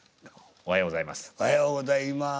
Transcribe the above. おはようございます。